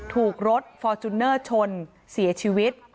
ถูกรถฟอร์จูเนอร์ชนเสียชีวิต